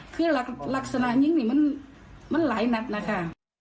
คือลักษณะยิงนี่มันหลายนัดนะคะ